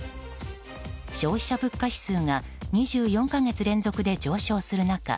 消費者物価指数が２４か月連続で上昇する中